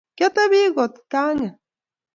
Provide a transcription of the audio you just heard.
Kyatepi kotganget